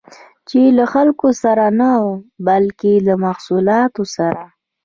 چې له خلکو سره نه، بلکې له محصولات سره